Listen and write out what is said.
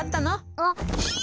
あっ。